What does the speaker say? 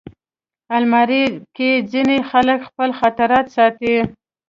الماري کې ځینې خلک خپل خاطرات ساتي